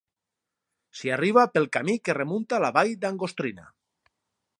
S'hi arriba pel camí que remunta la vall d'Angostrina.